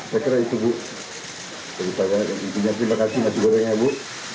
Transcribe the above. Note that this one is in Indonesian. saya kira itu bu terima kasih mas jogoreng ya bu